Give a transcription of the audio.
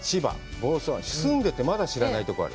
房総、住んでて、まだ知らないところがある？